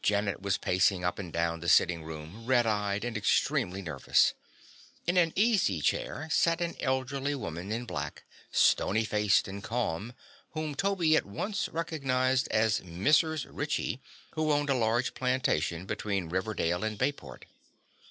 Janet was pacing up and down the sitting room, red eyed and extremely nervous. In an easy chair sat an elderly woman in black, stony faced and calm, whom Toby at once recognized as Mrs. Ritchie, who owned a large plantation between Riverdale and Bayport.